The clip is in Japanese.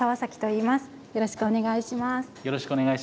よろしくお願いします。